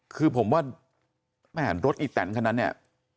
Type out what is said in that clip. คือผมว่าแม่รถอีแตนคันนั้นเนี่ย